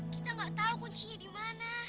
kita gak tahu kuncinya di mana